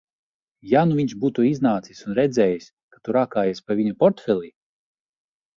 Ja nu viņš būtu iznācis un redzējis, ka tu rakājies pa viņa portfeli?